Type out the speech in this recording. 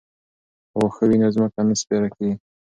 که واښه وي نو ځمکه نه سپیره کیږي.